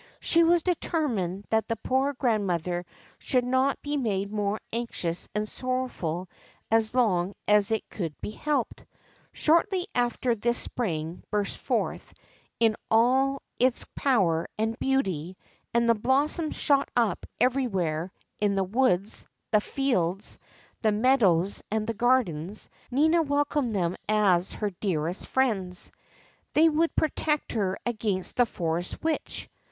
She was determined that the poor grandmother should not be made more anxious and sorrowful as long as it could be helped. Shortly after this the spring burst forth in all its 304 THE CHILDREN'S WONDER BOOK. power and beauty, and tlie blossoms shot up every where — in the woods, the fields, the meadows, and the gardens. Nina welcomed them as her dearest friends. They would protect her against the Forest Witch.